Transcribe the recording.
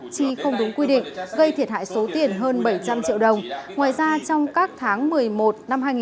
chỉ không đúng quy định gây thiệt hại số tiền hơn bảy trăm linh triệu đồng